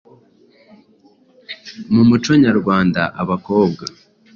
Mu muco nyarwanda abakobwa